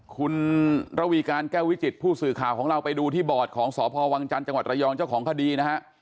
คุณระวีการแก้ววิจิตผู้สื่อข่าวของเราไปดูที่บอร์ดของสพวังจันทร์จังหวัดระยองเจ้าของคดีนะฮะ